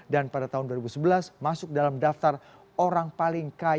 dan pada tahun dua ribu sebelas masuk dalam daftar orang paling kaya di riau